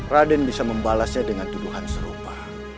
raden bisa membalasnya dengan tuduhan serupa